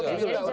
bisa juga kan